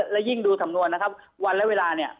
และยิ่งดูสำนวนนะครับวันและเวลาเนี่ย